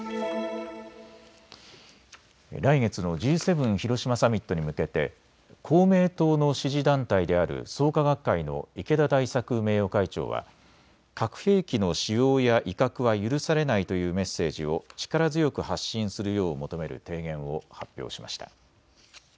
来月のＧ７広島サミットに向けて公明党の支持団体である創価学会の池田大作名誉会長は核兵器の使用や威嚇は許されないというメッセージを力強く発信するよう求める提言を発表しました。